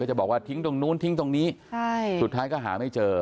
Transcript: จะบอกว่าทิ้งตรงนู้นทิ้งตรงนี้ใช่สุดท้ายก็หาไม่เจอ